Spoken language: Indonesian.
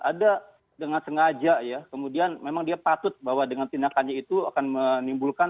ada dengan sengaja ya kemudian memang dia patut bahwa dengan tindakannya itu akan menimbulkan